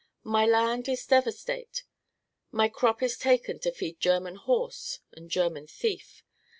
My land is devastate my crop is taken to feed German horse and German thief.